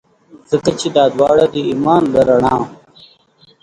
ځکه چي دا داوړه د ایمان له رڼا.